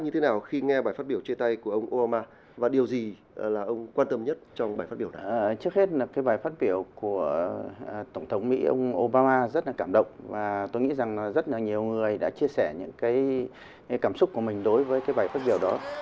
tôi rất cảm động và tôi nghĩ rằng rất nhiều người đã chia sẻ những cảm xúc của mình đối với bài phát biểu đó